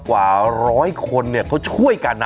กว่าร้อยคนเนี่ยเขาช่วยกันนะ